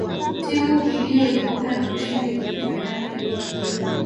timu iliyoibuka na ushindi kwenye fainali hiyo